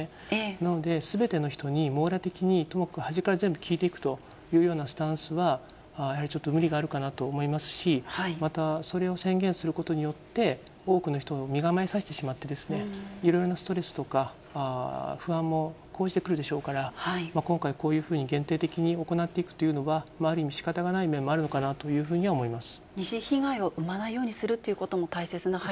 なので、すべての人に網羅的に端から全部聞いていくというスタンスは、やはりちょっと無理があるかなと思いますし、また、それを宣言することによって、多くの人を身構えさせてしまって、いろいろなストレスとか、不安もくるでしょうから、今回、こういうふうに限定的に行っていくというのは、ある意味、しかたがない面があるのかなというふうに思います。